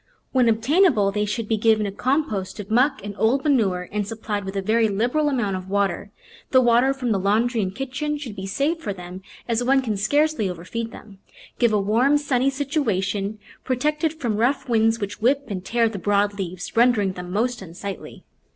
When obtainable they should be given a compost of muck and old manure and supplied with a very lib eral amount of water; the water from the laundry and kitchen should be saved for them, as one can scarcely overfeed them. Give a warm, sunny situa tion, protected from rough winds, which whip and tear the broad leaves, rendering them most unsightly.